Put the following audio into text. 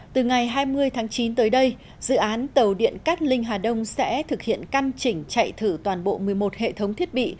từ ngày hai mươi tháng chín tới đây dự án tàu điện cát linh hà đông sẽ thực hiện căn chỉnh chạy thử toàn bộ một mươi một hệ thống thiết bị